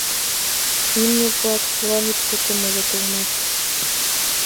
Имне-влак чылан ик тукым улыт улмаш.